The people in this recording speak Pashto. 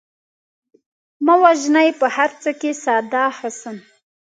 مه وژنئ په هر څه کې ساده حسن